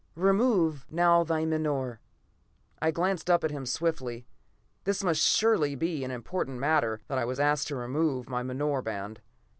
Remove now thy menore." I glanced up at him swiftly. This must surely be an important matter, that I was asked to remove my menore band.